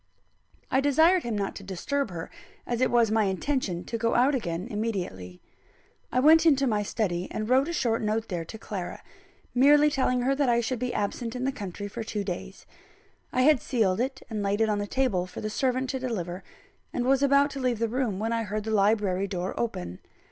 I desired him not to disturb her, as it was my intention to go out again immediately. I went into my study, and wrote a short note there to Clara; merely telling her that I should be absent in the country for two days. I had sealed and laid it on the table for the servant to deliver, and was about to leave the room, when I heard the library door open.